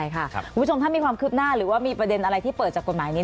คุณผู้ชมถ้ามีความคิดหน้าหรือไอ้ประเด็นที่ปาลวิทยาลัยที่เปิดกฎหมายนี้